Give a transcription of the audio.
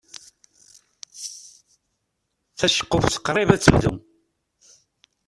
Taceqquft qrib ad tebdu.